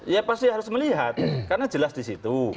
ya pasti harus melihat karena jelas di situ